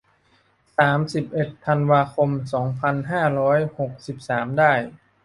สามสิบเอ็ด ธันวาคม สองพันห้าร้อยหกสิบสาม ได้